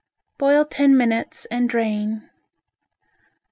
Boil ten minutes and drain.